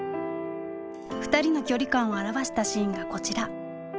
２人の距離感を表したシーンがこちら。